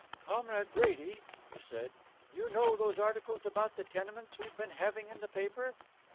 "Comrade Brady," he said, "you know those articles about the tenements we've been having in the paper?"